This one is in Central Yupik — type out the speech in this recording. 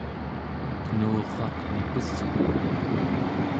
kenurraq nipesgu